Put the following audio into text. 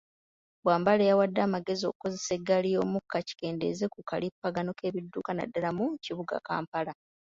Bwambale yawadde amagezi okukozesa eggaali y'omukka kikendeeze ku kalippagano k'ebidduka naddala mu kibuga Kampala.